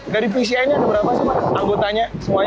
dari pci ini ada berapa sih pak anggotanya semuanya